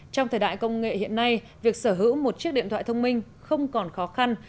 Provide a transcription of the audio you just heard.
trong thời đại công nghệ hiện nay việc sở hữu một chiếc điện thoại thông minh không còn khó khăn